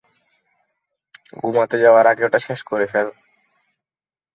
ঘুমাতে যাওয়ার আগে ওটা শেষ করে ফেল্।